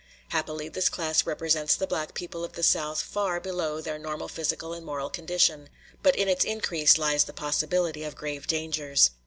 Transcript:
Happily, this class represents the black people of the South far below their normal physical and moral condition, but in its increase lies the possibility of grave dangers.